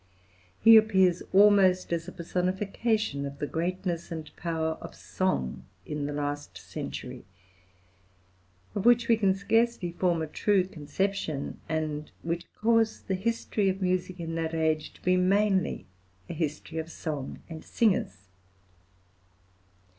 He appears almost as a personification of the greatness and power of song in the last century, of which we can scarcely form a true conception, and which cause the history of music in that age to be mainly a history of song and singers.